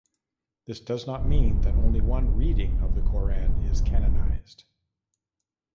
This does not mean that only one "reading" of the Quran is canonized.